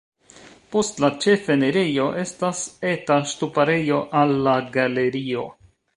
Post la ĉefenirejo estas eta ŝtuparejo al la galerio.